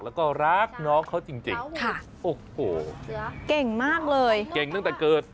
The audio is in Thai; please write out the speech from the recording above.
แล้วก็รักน้องเขาจริงโอ้โหเก่งมากเลยเก่งตั้งแต่เกิด